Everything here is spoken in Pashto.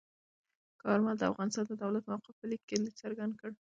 کارمل د افغانستان د دولت موقف په لیک کې څرګند کړ.